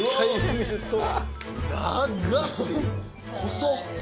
細っ。